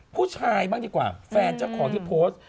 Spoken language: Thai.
ผู้ชายบ้างดีกว่าแฟนเจ้าของที่โพสต์